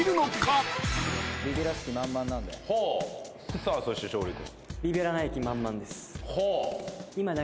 さあそして勝利君。